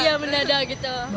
iya mendadak gitu